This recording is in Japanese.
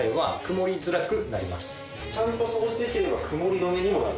ちゃんと掃除できてれば曇り止めにもなる？